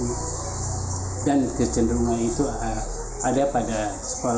jika kecebaran di lingkungan tersebut maka kecebaran di lingkungan tersebut akan menjadi penularan